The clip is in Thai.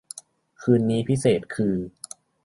คืนนี้พิเศษคือ